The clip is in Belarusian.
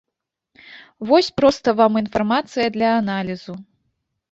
Вось проста вам інфармацыя для аналізу.